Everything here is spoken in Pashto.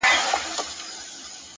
د ریل سټېشن شور د تګ احساس زیاتوي!.